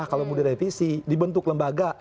kalau mau direvisi dibentuk lembaga